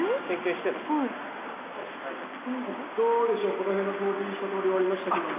この辺の掃除一通り終わりましたけども。